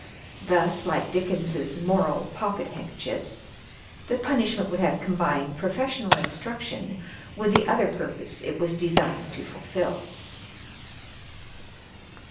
Thus, like Dickens's moral pockethand kerchiefs, the punishment would have combined pro fessional instruction with the other purpose it was designed to fulfil.